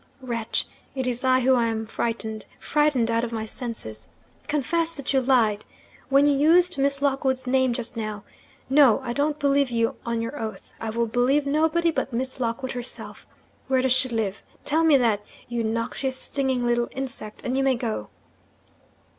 Wretch! It is I who am frightened frightened out of my senses. Confess that you lied, when you used Miss Lockwood's name just now! No! I don't believe you on your oath; I will believe nobody but Miss Lockwood herself. Where does she live? Tell me that, you noxious stinging little insect and you may go.'